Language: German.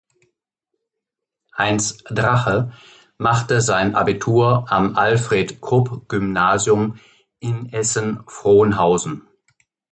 Heinz Drache machte sein Abitur am Alfred-Krupp-Gymnasium in Essen-Frohnhausen.